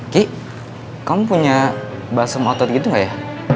ki kamu punya basum otot gitu gak ya